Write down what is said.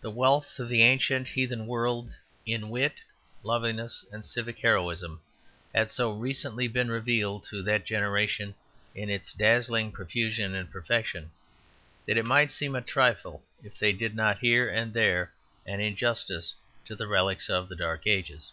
The wealth of the ancient heathen world, in wit, loveliness, and civic heroism, had so recently been revealed to that generation in its dazzling profusion and perfection, that it might seem a trifle if they did here and there an injustice to the relics of the Dark Ages.